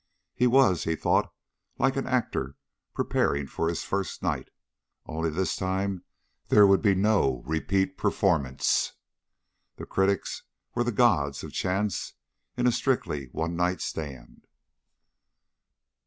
He was, he thought, like an actor preparing for his first night. Only this time there would be no repeat performance. The critics were the gods of chance in a strictly one night stand.